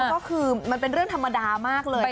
ก็คือมันเป็นเรื่องธรรมดามากเลย